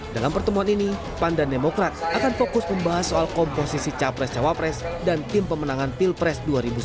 dalam pertemuan ini pan dan demokrat akan fokus membahas soal komposisi capres cawapres dan tim pemenangan pilpres dua ribu sembilan belas